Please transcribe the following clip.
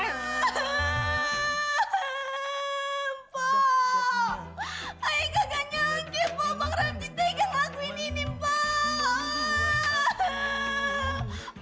bang ramji tekan lagu ini empok